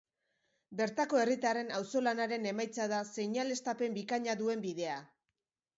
Bertako herritarren auzolanaren emaitza da seinaleztapen bikaina duen bidea.